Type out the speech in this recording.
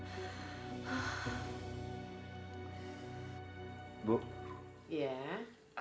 ampuni dosa dosa saya ya allah